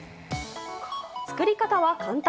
作り方は簡単。